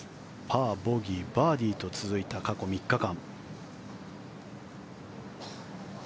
パー、ボギー、バーディーと続いた過去３日間。